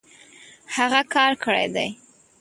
هغۀ کار کړی دی